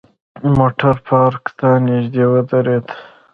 موټر پارک ته نژدې ودرید.